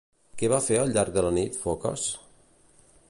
Què va fer al llarg de la nit Focas?